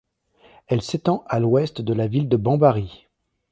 Elle s’étend à l'ouest de la ville de Bambari.